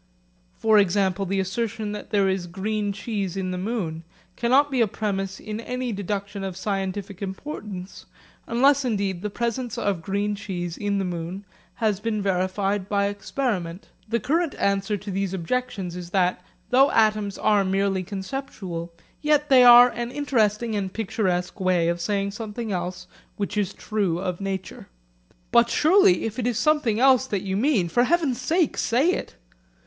For example, the assertion that there is green cheese in the moon cannot be a premiss in any deduction of scientific importance, unless indeed the presence of green cheese in the moon has been verified by experiment. The current answer to these objections is that, though atoms are merely conceptual, yet they are an interesting and picturesque way of saying something else which is true of nature. But surely if it is something else that you mean, for heaven's sake say it.